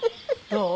どう？